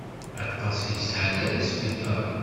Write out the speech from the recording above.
Aṭas i yesεedda di sbiṭar.